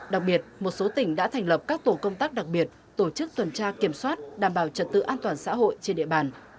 đặc biệt một số tỉnh đã thành lập các tổ công tác đặc biệt tổ chức tuần tra kiểm soát đảm bảo trật tự an toàn xã hội trên địa bàn